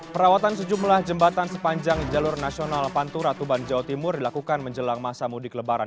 perawatan sejumlah jembatan sepanjang jalur nasional pantura tuban jawa timur dilakukan menjelang masa mudik lebaran